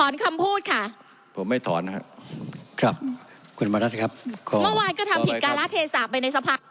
ถอนคำพูดค่ะผมไม่ถอนนะครับครับคุณธรรมรัฐครับขอเมื่อวานก็ทำผิดกาลาเทสาไปในสภักดิ์